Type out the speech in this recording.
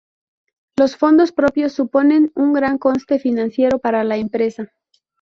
Los fondos propios suponen un gran coste financiero para la empresa.